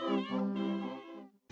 pertama suara dari biasusu